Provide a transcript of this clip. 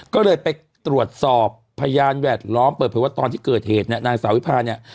ก็เลยไปตรวจสอบพยานแวดล้อมเปิดเผยว่าตอนที่เกิดเหตุเนี่ยนางสาววิพาเนี่ย